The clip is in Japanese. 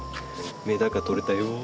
メダカとれたよ。